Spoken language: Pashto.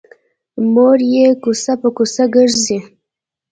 مور یې کوڅه په کوڅه ګرځي